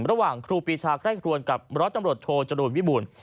ระหว่างครูปีชาใกล้รวมกับรถจำรวจโทรจรูลวิบูรณ์